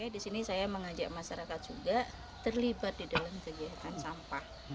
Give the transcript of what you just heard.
di sini saya mengajak masyarakat juga terlibat di dalam kegiatan sampah